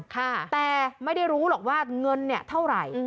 แต่ไม่ได้รู้หรอกว่าเงินเท่าไร